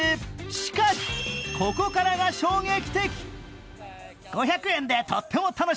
しかし、ここからが衝撃的。